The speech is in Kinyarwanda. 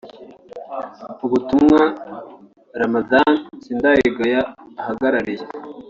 Mu butumwa Ramadhan Sindayigaya uhagarariye